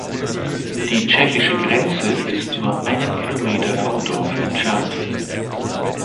Die tschechische Grenze ist nur einen Kilometer vom Dorf entfernt.